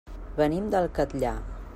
Venim del Catllar.